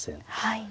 はい。